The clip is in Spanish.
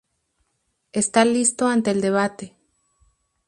Está listo ante el debate.